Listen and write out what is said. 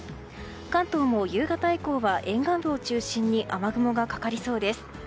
関東も夕方以降は沿岸部を中心に雨雲がかかりそうです。